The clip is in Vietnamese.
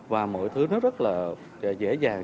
và mọi thứ rất là dễ dàng